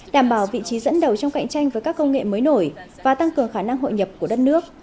đảm bảo vị trí dẫn đầu trong cạnh tranh với các công nghệ mới nổi và tăng cường khả năng hội nhập của đất nước